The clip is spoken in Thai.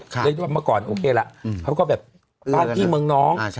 เมื่อก่อนโอเคล่ะเขาก็แบบป้องที่เมืองน้อง